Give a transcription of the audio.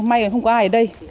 may không có ai ở đây